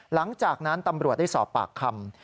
หลังจากนั้นตำรวจได้สอบปากคำ